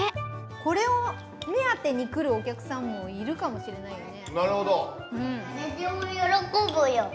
これを目当てに来るお客さんもいるかもしれないよね。